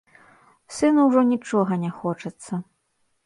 Сыну ўжо нічога не хочацца.